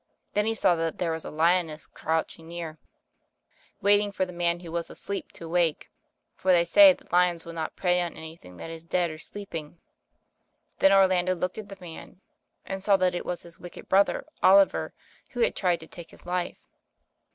Then he saw that there was a lioness crouching near, waiting for AS YOU LIKE n\ 09 the man who was asleep, to wake : for they say that lions will not prey on anjrthing that is dead or sleeping. Then Orlando looked at the man, and saw that it was his wicked brother, Oliver, who had tried to take his Ufe.